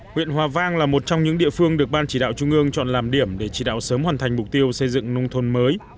huyện hòa vang là một trong những địa phương được ban chỉ đạo trung ương chọn làm điểm để chỉ đạo sớm hoàn thành mục tiêu xây dựng nông thôn mới